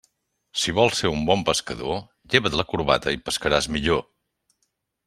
Si vols ser un bon pescador, lleva't la corbata i pescaràs millor.